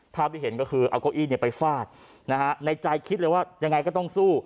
ภาพที่เห็นก็คือเอาเก้าอี้ไปฟาดนะฮะในใจคิดเลยว่ายังไงก็ต้องสู้